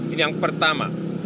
ini yang pertama